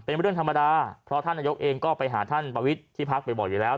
เป็นเรื่องธรรมดาเพราะท่านนายกเองก็ไปหาท่านประวิทย์ที่พักบ่อยอยู่แล้ว